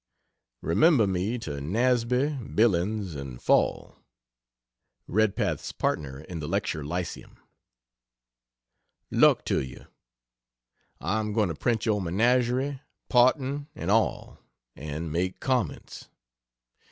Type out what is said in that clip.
Remember me to Nasby, Billings and Fall. [Redpath's partner in the lecture lyceum.] Luck to you! I am going to print your menagerie, Parton and all, and make comments.